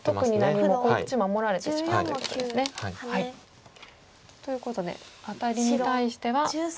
こっち守られてしまうということですね。ということでアタリに対しては。